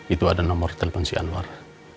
itu ada nomor telepon si anwar